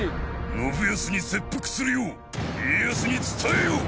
「信康に切腹するよう家康に伝えよ！」